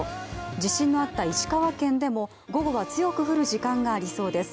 地震のあった石川県でも午後は強く降る時間がありそうです。